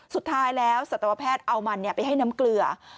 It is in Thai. สุดท้ายแล้วสัตวแพทย์เอามันไปให้น้ำเกลือ